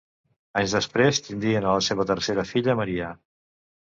Anys després tindrien a la seva tercera filla Maria.